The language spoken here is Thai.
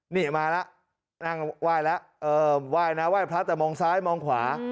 นี่มาแล้วนั่งไหว้แล้วเออไหว้นะไหว้พระแต่มองซ้ายมองขวา